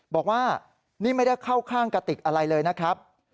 บอกว่านี่ไม่ได้เข้าข้างกติกอะไรเลยนะครับ